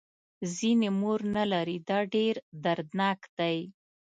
ځینې مور نه لري دا ډېر دردناک دی.